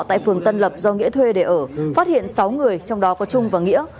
tại phường tân lập do nghĩa thuê để ở phát hiện sáu người trong đó có trung và nghĩa